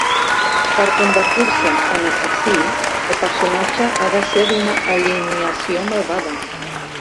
Per convertir-se en assassí, el personatge ha de ser d'una alineació malvada.